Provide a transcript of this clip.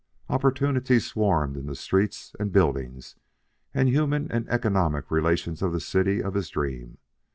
Opportunities swarmed in the streets and buildings and human and economic relations of the city of his dream.